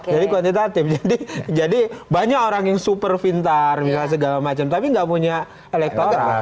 jadi kuantitatif jadi banyak orang yang super pintar segala macam tapi tidak punya elektoral